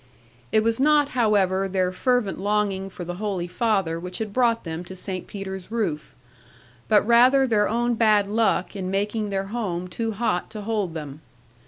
It was not, however, their fervent longing for the Holy Father which had brought them to St. Peter's roof; but rather their own bad luck in making their home too hot to hold them.